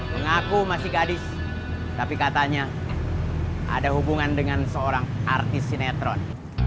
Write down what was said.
mengaku masih gadis tapi katanya ada hubungan dengan seorang artis sinetron